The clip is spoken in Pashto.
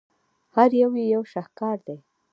هر یو یې یو شاهکار دی.